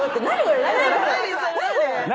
何？